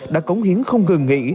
đã cống hiến không ngừng nghỉ